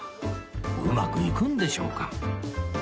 うまくいくんでしょうか？